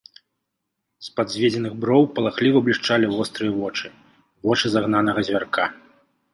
З-пад зведзеных броў палахліва блішчалі вострыя вочы, вочы загнанага звярка.